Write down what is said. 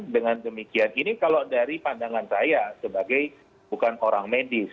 dengan demikian ini kalau dari pandangan saya sebagai bukan orang medis